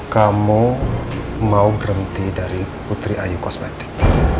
kamu mau berhenti dari putri ayu kosmetik